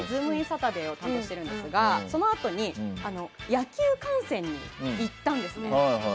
サタデー」を担当しているんですがそのあとに野球観戦に行ったんです。